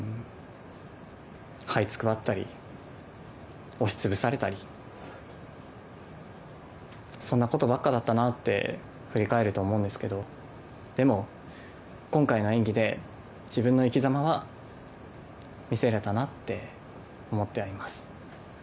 はいつくばったり押しつぶされたりそんなことばっかだったなって振り返ると思うんですけどでも、今回の演技で自分の生きざまは見せれたなって思ってはいます。